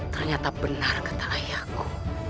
ternyata benar kata ayahku